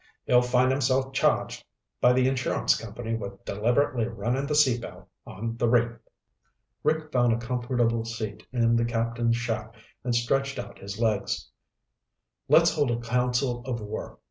He'll find himself charged by the insurance company with deliberately running the Sea Belle on the reef." Rick found a comfortable seat in the captain's shack and stretched out his legs. "Let's hold a council of war.